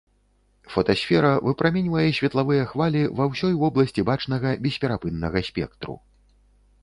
Фотасфера выпраменьвае светлавыя хвалі ва ўсёй вобласці бачнага бесперапыннага спектру.